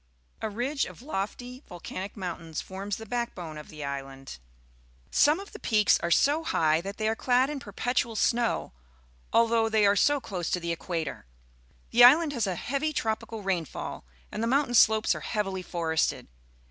A ridge of lofty volcanic mountains forms the backbone of the island. Some of the peaks are so liigh that they are clad in perpet ual snow, although they are so close to the equator. The island has a heavy tropical rainfall, and the mountain slopes are heavily forested.